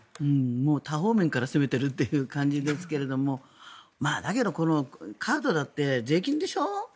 多方面から攻めているという感じですがだけどこのカードだって税金でしょ。